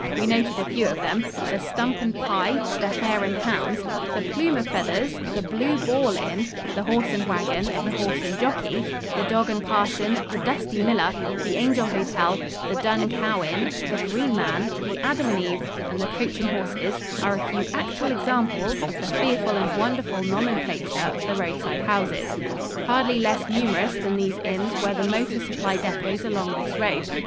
We noted a few of them. The "Stump and Pie," the "Hare and Hounds," the "Plume of Feathers," the "Blue Ball Inn," the "Horse and Wagon," the "Horse and Jockey," the "Dog and Parson," the "Dusty Miller," the "Angel Hotel" the "Dun Cow Inn," the "Green Man," the "Adam and Eve," and the "Coach and Horses," are a few actual examples of the fearful and wonderful nomenclature of the roadside houses. Hardly less numerous than these inns were the motor supply depots along this road.